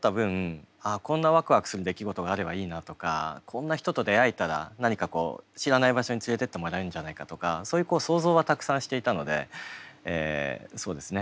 あこんなワクワクする出来事があればいいなとかこんな人と出会えたら何かこう知らない場所に連れてってもらえるんじゃないかとかそういう想像はたくさんしていたのでそうですね